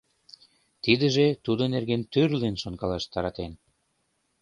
Тидыже тудын нерген тӱрлын шонкалаш таратен.